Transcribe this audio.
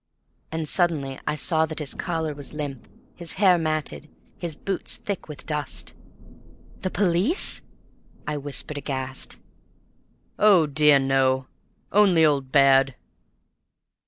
And suddenly I saw that his collar was limp, his hair matted, his boots thick with dust. "The police?" I whispered aghast. "Oh, dear, no; only old Baird."